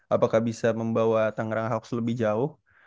apakah bisa membawa tangerang hoax lebih jauh